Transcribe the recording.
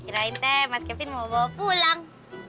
kirain teh mas kevin mau bawa pulang